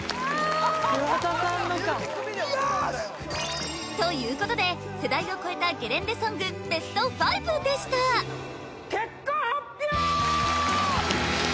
・桑田さんのかよし！ということで世代を超えたゲレンデソングベスト５でした結果発表！